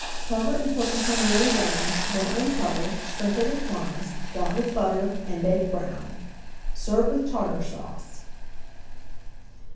Cover and cook until nearly done, then uncover, sprinkle with crumbs, dot with butter, and bake brown. Serve with Tartar Sauce.